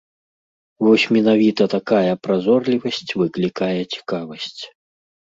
Вось менавіта такая празорлівасць выклікае цікавасць.